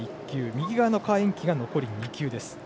右側の何宛淇が残り２球です。